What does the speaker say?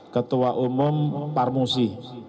ketua umum parmusi